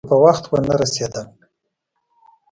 که په وخت ونه رسېدم.